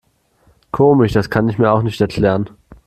Komisch, das kann ich mir auch nicht erklären.